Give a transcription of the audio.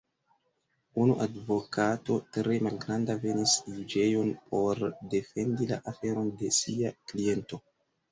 Unu advokato, tre malgranda, venis juĝejon, por defendi la aferon de sia kliento.